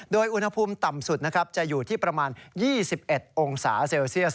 โดยอุณหภูมิต่ำสุดนะครับจะอยู่ที่ประมาณ๒๑องศาเซลเซียส